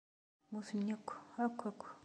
Mmuten akk! Akk! Akk!